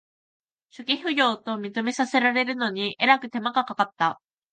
初期不良と認めさせるのにえらく手間がかかった